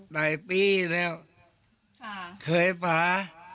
ในปีแล้วเคยพา